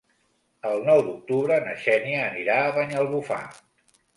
El nou d'octubre na Xènia anirà a Banyalbufar.